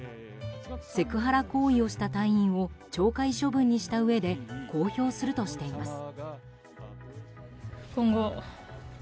セクハラ行為をした隊員を懲戒処分にしたうえで公表するとしています。